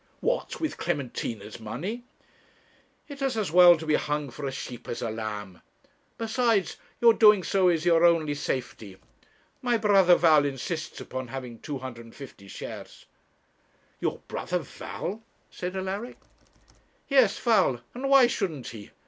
'What, with Clementina's money?' 'It's as well to be hung for a sheep as a lamb. Besides, your doing so is your only safety. My brother Val insists upon having 250 shares.' 'Your brother Val!' said Alaric. 'Yes, Val; and why shouldn't he?